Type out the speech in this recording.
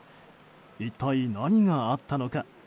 一体、何があったのか。